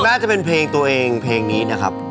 น่าจะเป็นเพลงตัวเองเพลงนี้นะครับ